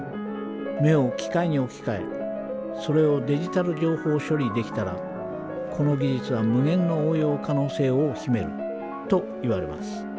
目を機械に置き換えそれをデジタル情報処理できたらこの技術は無限の応用可能性を秘めるといわれます。